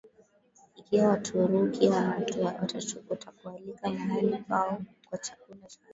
Ikiwa Waturuki watakualika mahali pao kwa chakula cha